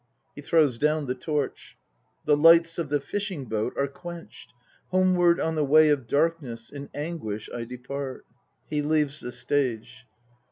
(He throws down the torch.) The lights of the fishing boat are quenched; Homeward on the Way of Darkness 3 In anguish I depart. (He leaves the stage.)